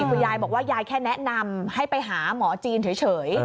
คุณยายบอกว่ายายแค่แนะนำให้ไปหาหมอจีนเฉย